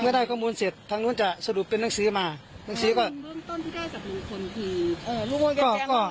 เมื่อได้ข้อมูลเสร็จทางนู้นจะสรุปเป็นนักศึกษ์มานักศึกษ์ก็